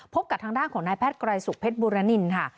พบกับทางด้านของนายแพทย์กรายสุขเผ็ดบูรณานินค่ะ